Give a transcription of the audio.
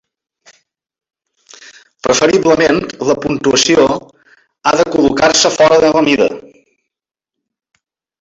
Preferiblement, la puntuació ha de col·locar-se fora de la mida.